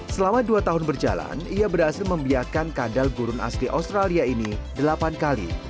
selama dua tahun berjalan ia berhasil membiarkan kadal gurun asli australia ini delapan kali